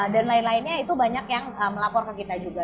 dan lain lainnya itu banyak yang melapor ke kita juga